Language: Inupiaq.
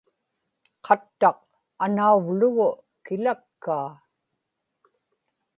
qattaq anauvlugu kilakkaa